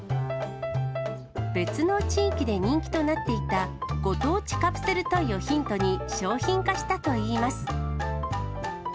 別の地域で人気となっていたご当地カプセルトイをヒントに商品化したといいます。